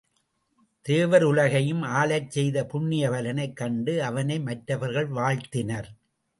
தேவருலகையும் ஆளச் செய்த புண்ணிய பலனைக் கண்டு அவனை மற்றவர்கள் வாழ்த்தினர்.